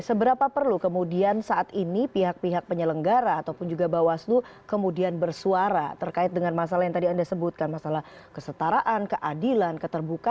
seberapa perlu kemudian saat ini pihak pihak penyelenggara ataupun juga bawaslu kemudian bersuara terkait dengan masalah yang tadi anda sebutkan masalah kesetaraan keadilan keterbukaan